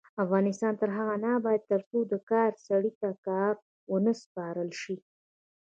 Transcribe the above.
افغانستان تر هغو نه ابادیږي، ترڅو د کار سړي ته کار ونه سپارل شي.